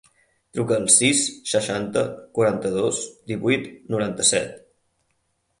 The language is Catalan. Truca al sis, seixanta, quaranta-dos, divuit, noranta-set.